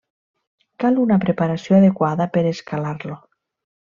Cal una preparació adequada per escalar-lo.